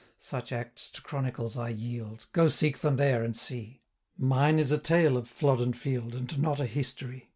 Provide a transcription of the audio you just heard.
1010 Such acts to chronicles I yield; Go seek them there, and see: Mine is a tale of Flodden Field, And not a history.